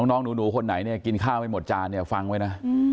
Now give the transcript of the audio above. น้องหนูคนไหนกินข้าวไม่หมดจานฟังไว้นะ